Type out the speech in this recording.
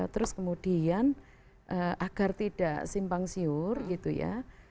terus kemudian agar tidak simpang siur gitu ya